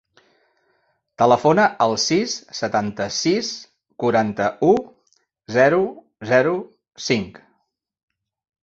Telefona al sis, setanta-sis, quaranta-u, zero, zero, cinc.